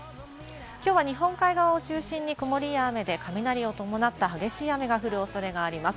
きょうは日本海側を中心に曇りや雨で、雷を伴って激しい雨が降る恐れがあります。